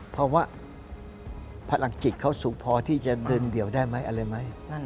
เพราะว่าพลังจิตเขาสูงพอที่จะเดินเดี่ยวได้ไหมอะไรไหม